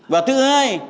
và thứ hai